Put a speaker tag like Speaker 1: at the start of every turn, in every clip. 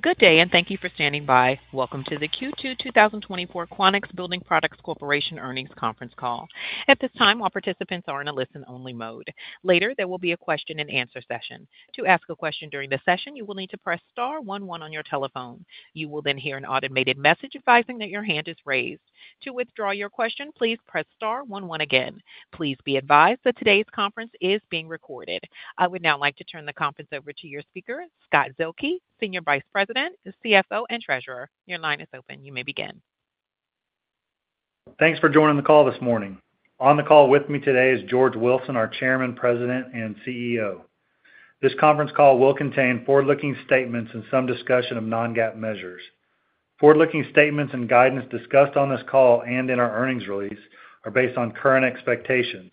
Speaker 1: Good day, and thank you for standing by. Welcome to the Q2 2024 Quanex Building Products Corporation Earnings Conference Call. At this time, all participants are in a listen-only mode. Later, there will be a question-and-answer session. To ask a question during the session, you will need to press star one one on your telephone. You will then hear an automated message advising that your hand is raised. To withdraw your question, please press star one one again. Please be advised that today's conference is being recorded. I would now like to turn the conference over to your speaker, Scott Zuehlke, Senior Vice President, CFO, and Treasurer. Your line is open. You may begin.
Speaker 2: Thanks for joining the call this morning. On the call with me today is George Wilson, our Chairman, President, and CEO. This conference call will contain forward-looking statements and some discussion of non-GAAP measures. Forward-looking statements and guidance discussed on this call and in our earnings release are based on current expectations.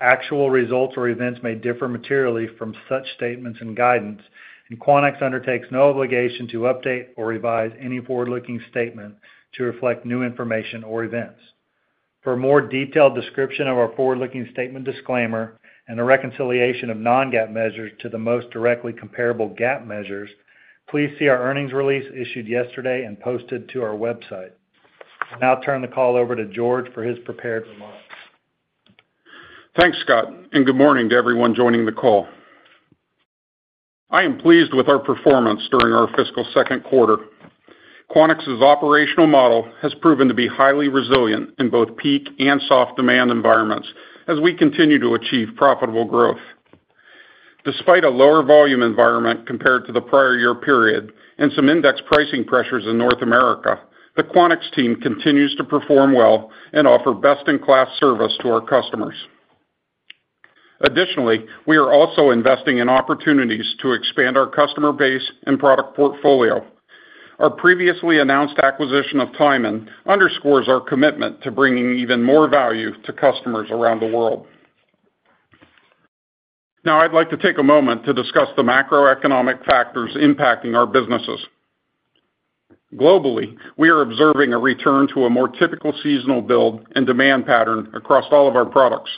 Speaker 2: Actual results or events may differ materially from such statements and guidance, and Quanex undertakes no obligation to update or revise any forward-looking statement to reflect new information or events. For a more detailed description of our forward-looking statement disclaimer and a reconciliation of non-GAAP measures to the most directly comparable GAAP measures, please see our earnings release issued yesterday and posted to our website. I'll now turn the call over to George for his prepared remarks.
Speaker 3: Thanks, Scott, and good morning to everyone joining the call. I am pleased with our performance during our fiscal second quarter. Quanex's operational model has proven to be highly resilient in both peak and soft demand environments as we continue to achieve profitable growth. Despite a lower volume environment compared to the prior year period and some index pricing pressures in North America, the Quanex team continues to perform well and offer best-in-class service to our customers. Additionally, we are also investing in opportunities to expand our customer base and product portfolio. Our previously announced acquisition of Tyman underscores our commitment to bringing even more value to customers around the world. Now I'd like to take a moment to discuss the macroeconomic factors impacting our businesses. Globally, we are observing a return to a more typical seasonal build and demand pattern across all of our products.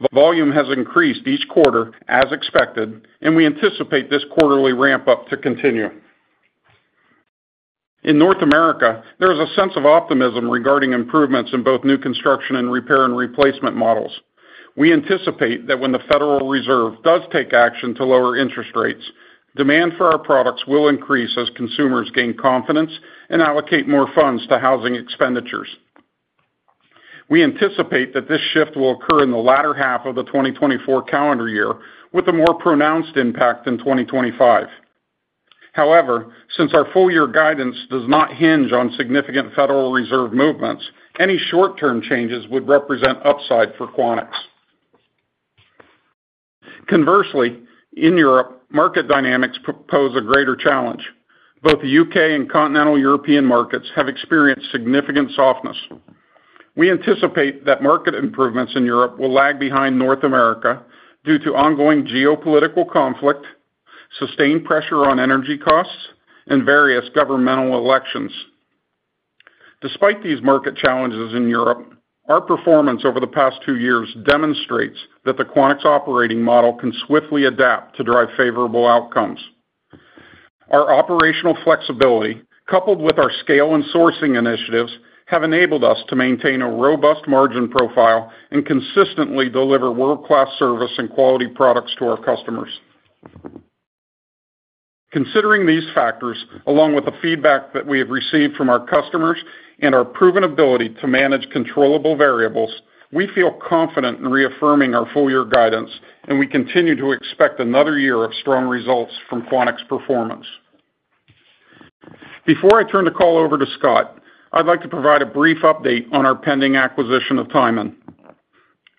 Speaker 3: The volume has increased each quarter, as expected, and we anticipate this quarterly ramp-up to continue. In North America, there is a sense of optimism regarding improvements in both new construction and repair and replacement models. We anticipate that when the Federal Reserve does take action to lower interest rates, demand for our products will increase as consumers gain confidence and allocate more funds to housing expenditures. We anticipate that this shift will occur in the latter half of the 2024 calendar year, with a more pronounced impact in 2025. However, since our full-year guidance does not hinge on significant Federal Reserve movements, any short-term changes would represent upside for Quanex. Conversely, in Europe, market dynamics propose a greater challenge. Both the U.K. and continental European markets have experienced significant softness. We anticipate that market improvements in Europe will lag behind North America due to ongoing geopolitical conflict, sustained pressure on energy costs, and various governmental elections. Despite these market challenges in Europe, our performance over the past two years demonstrates that the Quanex operating model can swiftly adapt to drive favorable outcomes. Our operational flexibility, coupled with our scale and sourcing initiatives, have enabled us to maintain a robust margin profile and consistently deliver world-class service and quality products to our customers. Considering these factors, along with the feedback that we have received from our customers and our proven ability to manage controllable variables, we feel confident in reaffirming our full-year guidance, and we continue to expect another year of strong results from Quanex performance. Before I turn the call over to Scott, I'd like to provide a brief update on our pending acquisition of Tyman.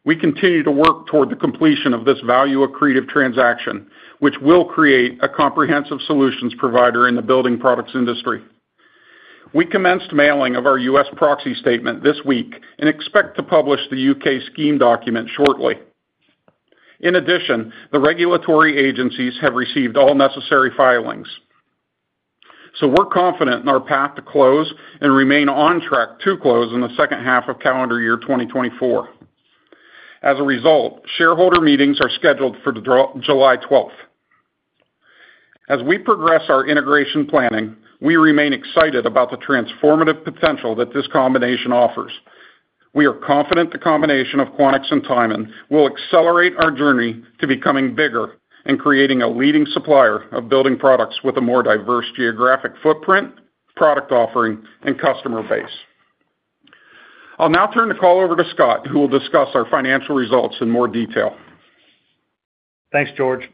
Speaker 3: We continue to work toward the completion of this value-accretive transaction, which will create a comprehensive solutions provider in the building products industry. We commenced mailing of our U.S. proxy statement this week and expect to publish the U.K. scheme document shortly. In addition, the regulatory agencies have received all necessary filings, so we're confident in our path to close and remain on track to close in the second half of calendar year 2024. As a result, shareholder meetings are scheduled for July 12th. As we progress our integration planning, we remain excited about the transformative potential that this combination offers. We are confident the combination of Quanex and Tyman will accelerate our journey to becoming bigger and creating a leading supplier of building products with a more diverse geographic footprint, product offering, and customer base. I'll now turn the call over to Scott, who will discuss our financial results in more detail.
Speaker 2: Thanks, George.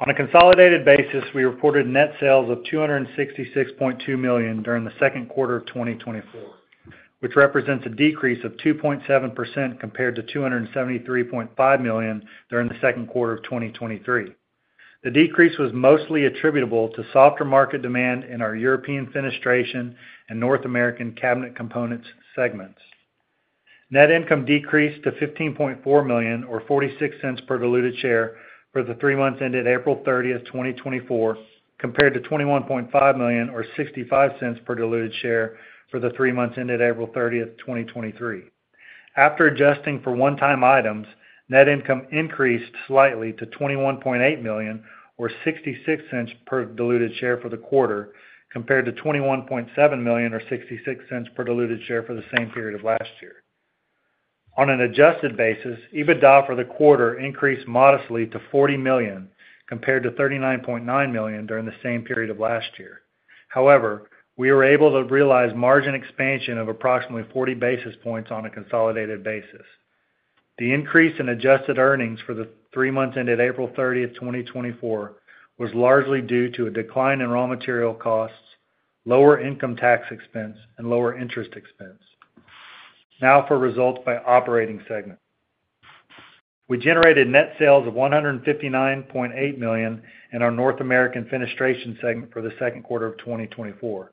Speaker 2: On a consolidated basis, we reported net sales of $266.2 million during the second quarter of 2024, which represents a decrease of 2.7% compared to $273.5 million during the second quarter of 2023. The decrease was mostly attributable to softer market demand in our European Fenestration and North American Cabinet Components segments. Net income decreased to $15.4 million, or $0.46 per diluted share, for the three months ended April 30, 2024, compared to $21.5 million, or $0.65 per diluted share, for the three months ended April 30, 2023.... After adjusting for one-time items, net income increased slightly to $21.8 million, or $0.66 per diluted share for the quarter, compared to $21.7 million, or $0.66 per diluted share for the same period of last year. On an adjusted basis, EBITDA for the quarter increased modestly to $40 million, compared to $39.9 million during the same period of last year. However, we were able to realize margin expansion of approximately 40 basis points on a consolidated basis. The increase in adjusted earnings for the three months ended April 30, 2024, was largely due to a decline in raw material costs, lower income tax expense, and lower interest expense. Now for results by operating segment. We generated net sales of $159.8 million in our North American Fenestration segment for the second quarter of 2024,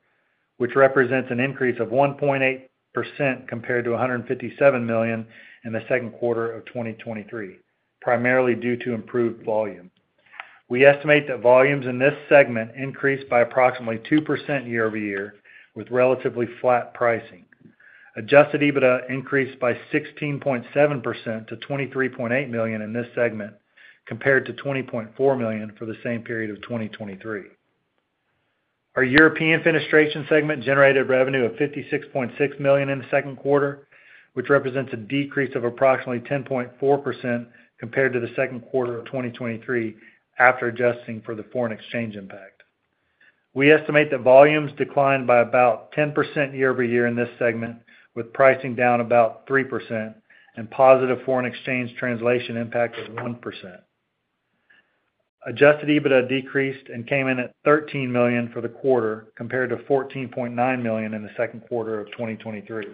Speaker 2: which represents an increase of 1.8% compared to $157 million in the second quarter of 2023, primarily due to improved volume. We estimate that volumes in this segment increased by approximately 2% year-over-year, with relatively flat pricing. Adjusted EBITDA increased by 16.7% to $23.8 million in this segment, compared to $20.4 million for the same period of 2023. Our European Fenestration segment generated revenue of $56.6 million in the second quarter, which represents a decrease of approximately 10.4% compared to the second quarter of 2023, after adjusting for the foreign exchange impact. We estimate that volumes declined by about 10% year-over-year in this segment, with pricing down about 3% and positive foreign exchange translation impact of 1%. Adjusted EBITDA decreased and came in at $13 million for the quarter, compared to $14.9 million in the second quarter of 2023.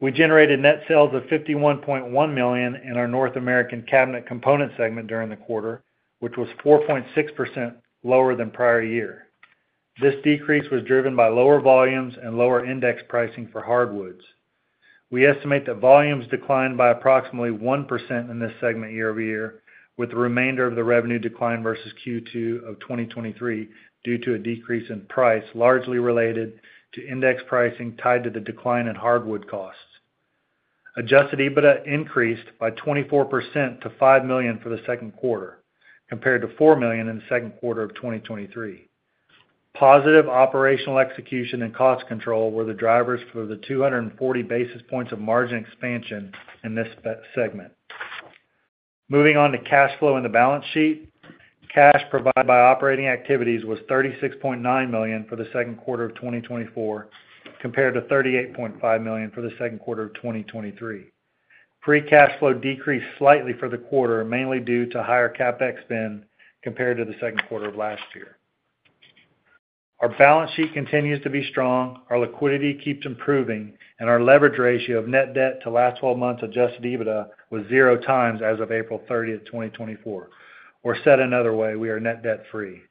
Speaker 2: We generated net sales of $51.1 million in our North American Cabinet Component segment during the quarter, which was 4.6% lower than prior year. This decrease was driven by lower volumes and lower index pricing for hardwoods. We estimate that volumes declined by approximately 1% in this segment year-over-year, with the remainder of the revenue decline versus Q2 of 2023, due to a decrease in price, largely related to index pricing tied to the decline in hardwood costs. Adjusted EBITDA increased by 24% to $5 million for the second quarter, compared to $4 million in the second quarter of 2023. Positive operational execution and cost control were the drivers for the 240 basis points of margin expansion in this segment. Moving on to cash flow and the balance sheet. Cash provided by operating activities was $36.9 million for the second quarter of 2024, compared to $38.5 million for the second quarter of 2023. Free cash flow decreased slightly for the quarter, mainly due to higher CapEx spend compared to the second quarter of last year. Our balance sheet continues to be strong, our liquidity keeps improving, and our leverage ratio of net debt to last twelve months adjusted EBITDA was zero times as of April 30, 2024, or said another way, we are net debt-free.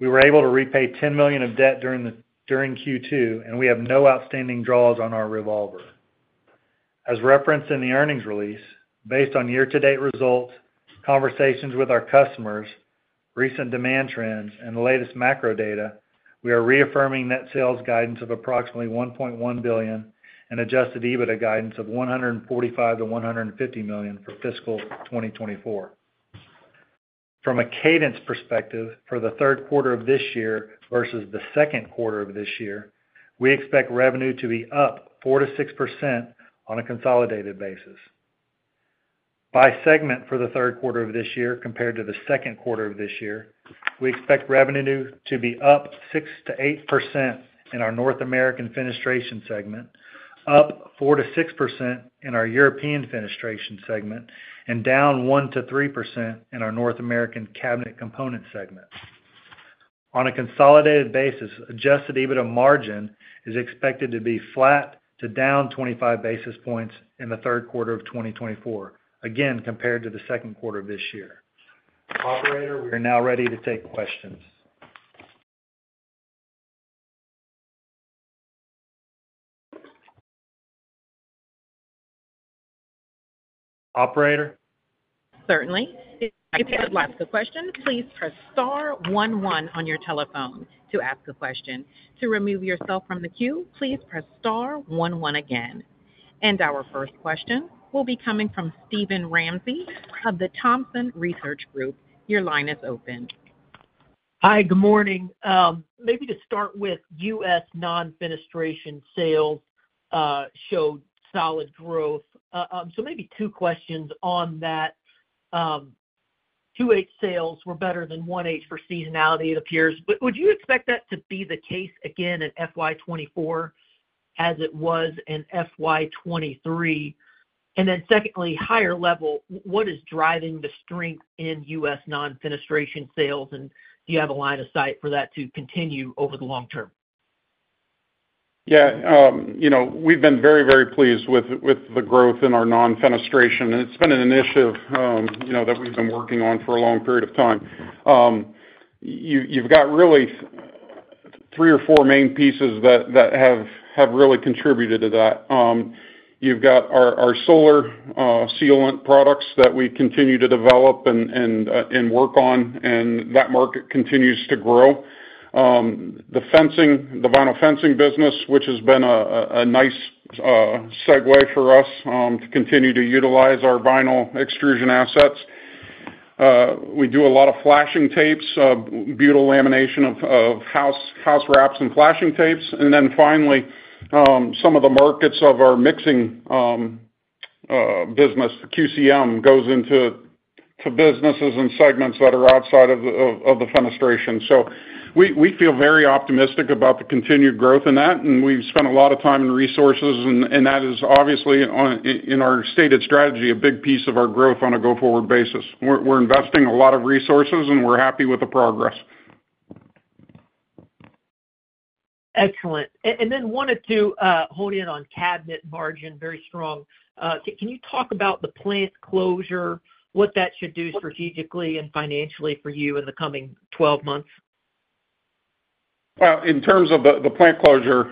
Speaker 2: We were able to repay $10 million of debt during Q2, and we have no outstanding draws on our revolver. As referenced in the earnings release, based on year-to-date results, conversations with our customers, recent demand trends, and the latest macro data, we are reaffirming net sales guidance of approximately $1.1 billion and adjusted EBITDA guidance of $145 million-$150 million for fiscal 2024. From a cadence perspective, for the third quarter of this year versus the second quarter of this year, we expect revenue to be up 4%-6% on a consolidated basis. By segment for the third quarter of this year compared to the second quarter of this year, we expect revenue to be up 6%-8% in our North American Fenestration segment, up 4%-6% in our European Fenestration segment, and down 1%-3% in our North American Cabinet Component segment. On a consolidated basis, adjusted EBITDA margin is expected to be flat to down 25 basis points in the third quarter of 2024, again, compared to the second quarter of this year. Operator, we are now ready to take questions. Operator?
Speaker 1: Certainly. If you'd like to ask a question, please press star one one on your telephone to ask a question. To remove yourself from the queue, please press star one one again. Our first question will be coming from Steven Ramsey of the Thompson Research Group. Your line is open.
Speaker 4: Hi, good morning. Maybe to start with non-fenestration sales showed solid growth. So maybe two questions on that. Q2 sales were better than Q1 for seasonality, it appears. But would you expect that to be the case again in FY 2024 as it was in FY 2023? And then secondly, higher level, what is driving the strength in U.S. non-fenestration sales, and do you have a line of sight for that to continue over the long term?
Speaker 2: Yeah, you know, we've been very, very pleased with the growth in our non-fenestration, and it's been an initiative, you know, that we've been working on for a long period of time. You've got really three or four main pieces that have really contributed to that.
Speaker 3: .you've got our solar sealant products that we continue to develop and work on, and that market continues to grow. The fencing, the vinyl fencing business, which has been a nice segue for us to continue to utilize our vinyl extrusion assets. We do a lot of flashing tapes, butyl lamination of house wraps and flashing tapes. And then finally, some of the markets of our mixing business, the QCM, goes into businesses and segments that are outside of the fenestration. So we feel very optimistic about the continued growth in that, and we've spent a lot of time and resources, and that is obviously in our stated strategy, a big piece of our growth on a go-forward basis. We're investing a lot of resources, and we're happy with the progress.
Speaker 4: Excellent. And then wanted to hone in on cabinet margin, very strong. Can you talk about the plant closure, what that should do strategically and financially for you in the coming 12 months?
Speaker 3: Well, in terms of the plant closure,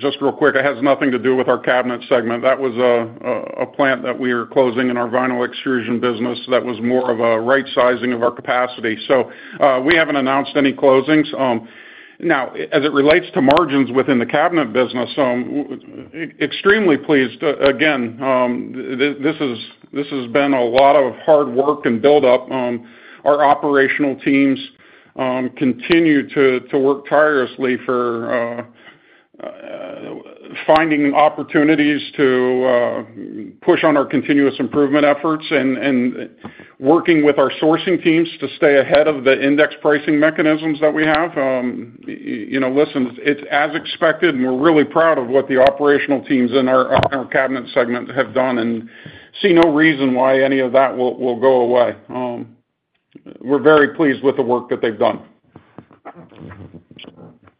Speaker 3: just real quick, it has nothing to do with our cabinet segment. That was a plant that we are closing in our vinyl extrusion business that was more of a right-sizing of our capacity. So, we haven't announced any closings. Now, as it relates to margins within the cabinet business, we're extremely pleased. Again, this is, this has been a lot of hard work and build up. Our operational teams continue to work tirelessly for finding opportunities to push on our continuous improvement efforts and working with our sourcing teams to stay ahead of the index pricing mechanisms that we have. You know, listen, it's as expected, and we're really proud of what the operational teams in our cabinet segment have done and see no reason why any of that will go away. We're very pleased with the work that they've done.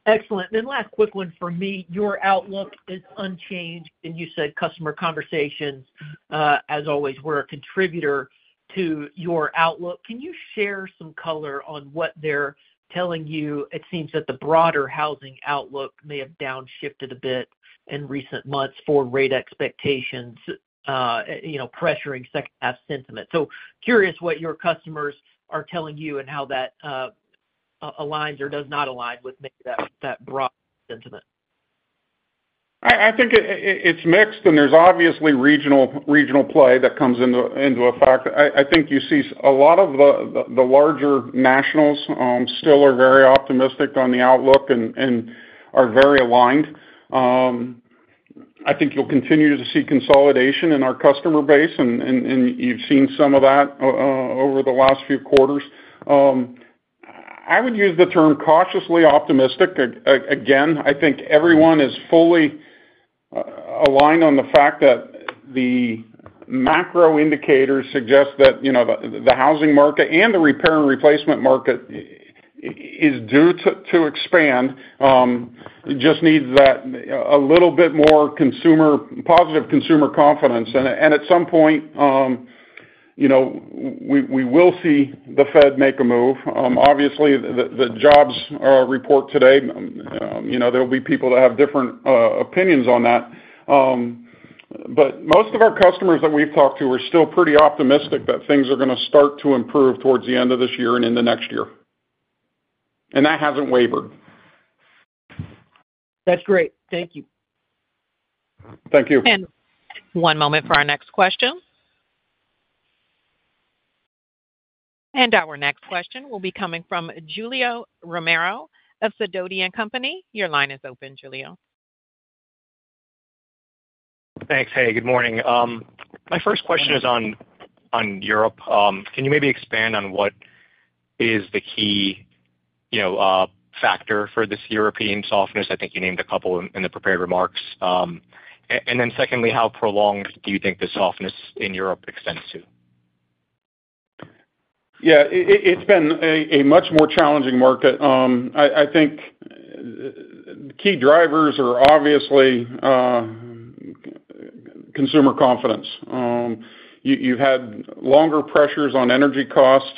Speaker 4: Excellent. Then last quick one for me. Your outlook is unchanged, and you said customer conversations, as always, were a contributor to your outlook. Can you share some color on what they're telling you? It seems that the broader housing outlook may have downshifted a bit in recent months for rate expectations, you know, pressuring second half sentiment. So curious what your customers are telling you and how that aligns or does not align with maybe that broad sentiment.
Speaker 3: I think it's mixed, and there's obviously regional play that comes into effect. I think you see a lot of the larger nationals still are very optimistic on the outlook and are very aligned. I think you'll continue to see consolidation in our customer base, and you've seen some of that over the last few quarters. I would use the term cautiously optimistic. Again, I think everyone is fully aligned on the fact that the macro indicators suggest that, you know, the housing market and the repair and replacement market is due to expand. It just needs that a little bit more positive consumer confidence. And at some point, you know, we will see the Fed make a move. Obviously, the jobs report today, you know, there will be people that have different opinions on that. But most of our customers that we've talked to are still pretty optimistic that things are gonna start to improve towards the end of this year and in the next year. And that hasn't wavered.
Speaker 4: That's great. Thank you.
Speaker 3: Thank you.
Speaker 1: One moment for our next question. Our next question will be coming from Julio Romero of Sidoti & Company. Your line is open, Julio.
Speaker 5: Thanks. Hey, good morning. My first question is on Europe. Can you maybe expand on what is the key, you know, factor for this European softness? I think you named a couple in the prepared remarks. And then secondly, how prolonged do you think the softness in Europe extends to?
Speaker 3: Yeah, it's been a much more challenging market. I think the key drivers are obviously consumer confidence. You had longer pressures on energy costs.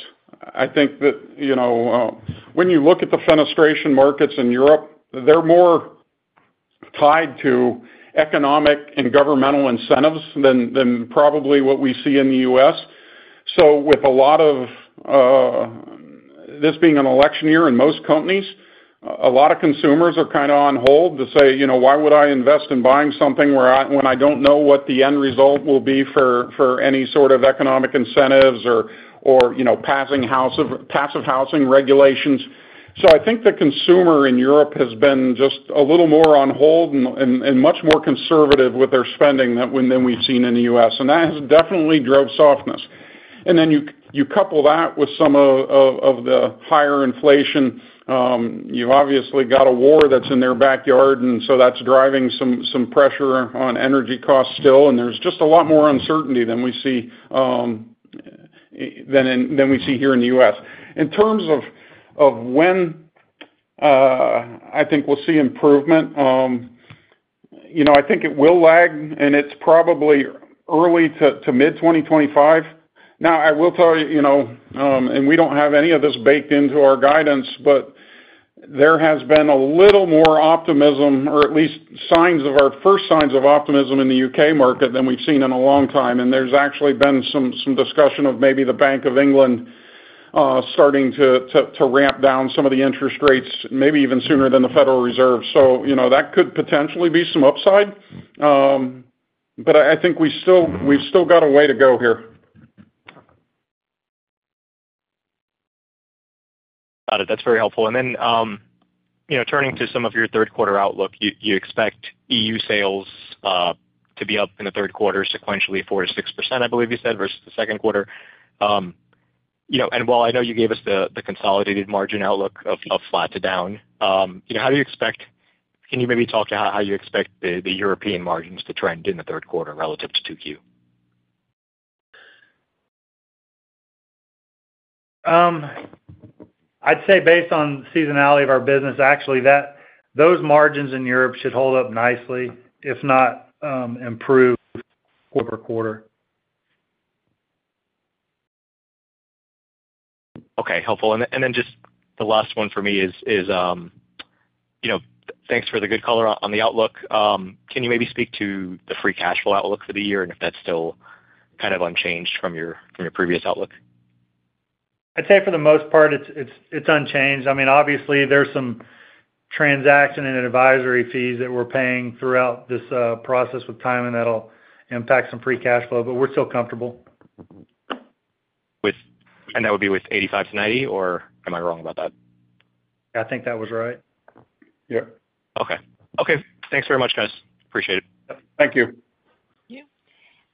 Speaker 3: I think that, you know, when you look at the fenestration markets in Europe, they're more tied to economic and governmental incentives than probably what we see in the US. So with a lot of this being an election year in most companies, a lot of consumers are kind of on hold to say, "You know, why would I invest in buying something where I when I don't know what the end result will be for any sort of economic incentives or you know, Passivhaus of passive housing regulations?" So I think the consumer in Europe has been just a little more on hold and much more conservative with their spending than we've seen in the U.S., and that has definitely drove softness. And then you couple that with some of the higher inflation, you've obviously got a war that's in their backyard, and so that's driving some pressure on energy costs still. And there's just a lot more uncertainty than we see here in the US. In terms of when I think we'll see improvement, you know, I think it will lag, and it's probably early to mid-2025. Now, I will tell you, you know, and we don't have any of this baked into our guidance, but there has been a little more optimism, or at least signs of our first signs of optimism in the UK market than we've seen in a long time, and there's actually been some discussion of maybe the Bank of England starting to ramp down some of the interest rates, maybe even sooner than the Federal Reserve. So, you know, that could potentially be some upside. But I think we still, we've still got a way to go here.
Speaker 5: Got it. That's very helpful. And then, you know, turning to some of your third quarter outlook, you expect EU sales to be up in the third quarter sequentially, 4%-6%, I believe you said, versus the second quarter. You know, and while I know you gave us the consolidated margin outlook of flat to down, you know, how do you expect? Can you maybe talk to how you expect the European margins to trend in the third quarter relative to 2Q?
Speaker 2: I'd say based on seasonality of our business, actually, that those margins in Europe should hold up nicely, if not, improve quarter to quarter.
Speaker 5: Okay, helpful. And then just the last one for me is, you know, thanks for the good color on the outlook. Can you maybe speak to the free cash flow outlook for the year, and if that's still kind of unchanged from your previous outlook?
Speaker 2: I'd say for the most part, it's unchanged. I mean, obviously, there's some transaction and advisory fees that we're paying throughout this process with timing that'll impact some free cash flow, but we're still comfortable.
Speaker 5: That would be with 85-90, or am I wrong about that?
Speaker 2: I think that was right.
Speaker 3: Yep.
Speaker 5: Okay. Okay, thanks very much, guys. Appreciate it.
Speaker 3: Thank you.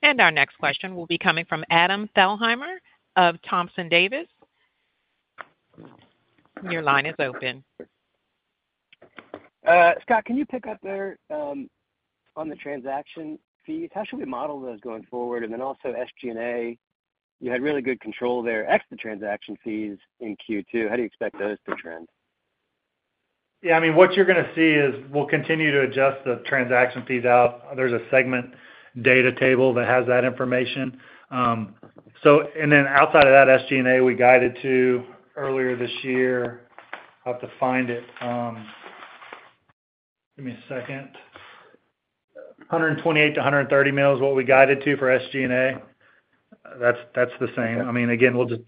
Speaker 1: Our next question will be coming from Adam Thalheimer of Thompson Davis. Your line is open.
Speaker 6: Scott, can you pick up there, on the transaction fees? How should we model those going forward? And then also SG&A, you had really good control there, ex the transaction fees in Q2. How do you expect those to trend?
Speaker 2: Yeah, I mean, what you're gonna see is we'll continue to adjust the transaction fees out. There's a segment data table that has that information. So and then outside of that SG&A, we guided to earlier this year... I have to find it. Give me a second. $128 million-$130 million is what we guided to for SG&A. That's, that's the same.
Speaker 6: Okay.
Speaker 2: I mean, again, we'll just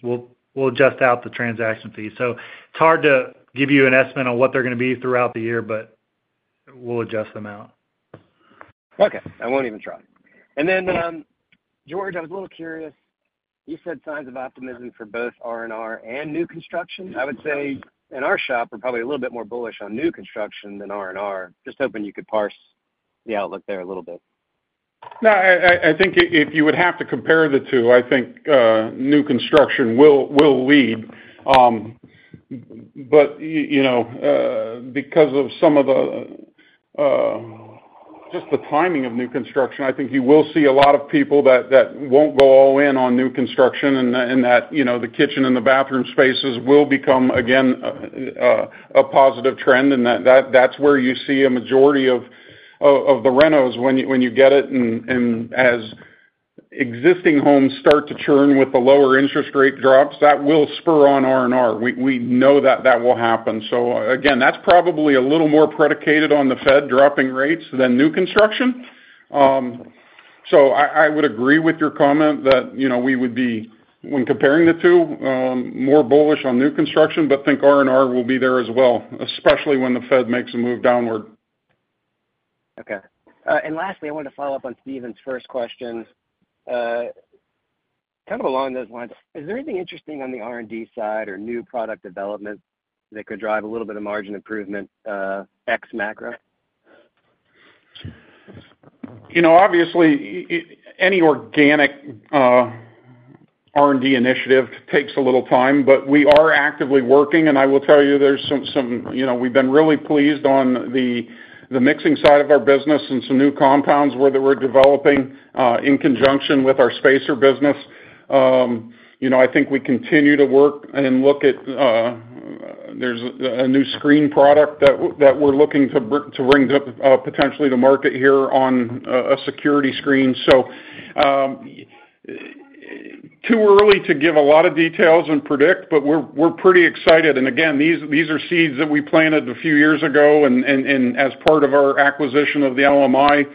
Speaker 2: adjust out the transaction fees. So it's hard to give you an estimate on what they're gonna be throughout the year, but we'll adjust them out.
Speaker 6: Okay. I won't even try. Then, George, I was a little curious. You said signs of optimism for both R&R and new construction? I would say in our shop, we're probably a little bit more bullish on new construction than R&R. Just hoping you could parse the outlook there a little bit.
Speaker 3: No, I think if you would have to compare the two, I think new construction will lead. But you know, because of some of the just the timing of new construction, I think you will see a lot of people that won't go all in on new construction, and you know, the kitchen and the bathroom spaces will become, again, a positive trend, and that's where you see a majority of the renos when you get it. And as existing homes start to churn with the lower interest rate drops, that will spur on R&R. We know that that will happen. So again, that's probably a little more predicated on the Fed dropping rates than new construction. So, I would agree with your comment that, you know, we would be, when comparing the two, more bullish on new construction, but think R&R will be there as well, especially when the Fed makes a move downward.
Speaker 6: Okay. And lastly, I wanted to follow up on Steven's first question. Kind of along those lines, is there anything interesting on the R&D side or new product development that could drive a little bit of margin improvement, ex macro?
Speaker 3: You know, obviously, any organic, R&D initiative takes a little time, but we are actively working, and I will tell you, there's some... You know, we've been really pleased on the mixing side of our business and some new compounds what we're developing, in conjunction with our spacer business. You know, I think we continue to work and look at, there's a new screen product that we're looking to bring to, potentially to market here on a security screen. So, too early to give a lot of details and predict, but we're pretty excited. And again, these are seeds that we planted a few years ago and as part of our acquisition of the LMI,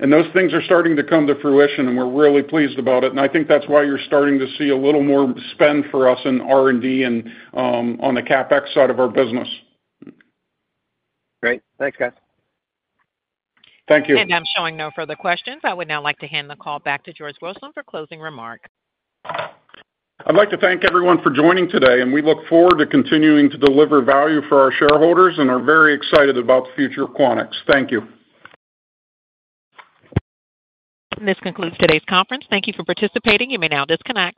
Speaker 3: and those things are starting to come to fruition, and we're really pleased about it. And I think that's why you're starting to see a little more spend for us in R&D and on the CapEx side of our business.
Speaker 6: Great. Thanks, guys.
Speaker 3: Thank you.
Speaker 1: I'm showing no further questions. I would now like to hand the call back to George Wilson for closing remarks.
Speaker 3: I'd like to thank everyone for joining today, and we look forward to continuing to deliver value for our shareholders and are very excited about the future of Quanex. Thank you.
Speaker 1: This concludes today's conference. Thank you for participating. You may now disconnect.